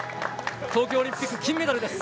東京オリンピック金メダルです。